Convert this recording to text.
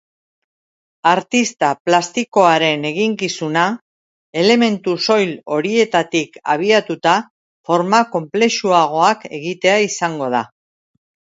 Artista plastikoaren eginkizuna, elementu soil horietatik abiatuta, forma konplexuagoak egitea izango da.